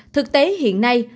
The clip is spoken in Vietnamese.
thực tế hiện nay